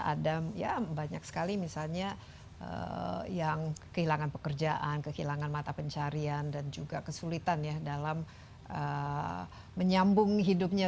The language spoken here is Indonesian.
ada ya banyak sekali misalnya yang kehilangan pekerjaan kehilangan mata pencarian dan juga kesulitan ya dalam menyambung hidupnya